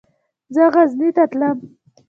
زه غزني ته تلم.